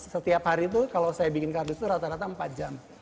setiap hari itu kalau saya bikin kardus itu rata rata empat jam